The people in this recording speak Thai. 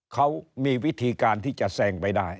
เขามีวิธีการที่จะแซงไปได้